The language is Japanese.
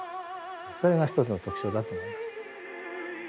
それが一つの特徴だと思います。